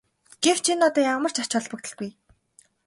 Гэвч энэ одоо ямар ч ач холбогдолгүй.